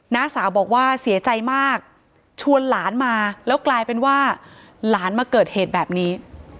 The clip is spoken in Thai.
น้าสาวบอกว่าเสียใจมากชวนหลานมาแล้วกลายเป็นว่าหลานมาเกิดเหตุแบบนี้